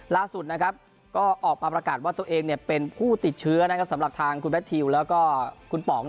ล่าสุดก็ออกมาประกาศว่าตัวเองเป็นผู้ติดเชื้อสำหรับทางคุณแมททิวแล้วก็คุณป๋อง